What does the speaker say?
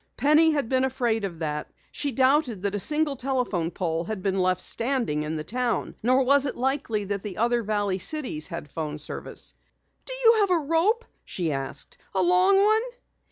Penny had been afraid of that. She doubted that a single telephone pole had been left standing in the town. Nor was it likely that the other valley cities had 'phone service. "Do you have a rope?" she asked. "A long one?"